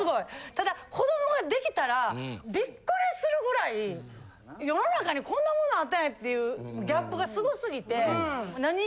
ただ子どもができたらビックリするぐらい世の中にこんなものあったんやっていうギャップがすごすぎて。